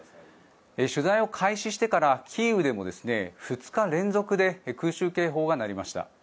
取材を開始してからキーウでも２日連続で空襲警報が鳴りました。